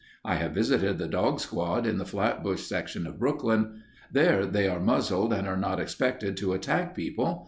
I have visited the dog squad, in the Flatbush section of Brooklyn. There they are muzzled and are not expected to attack people.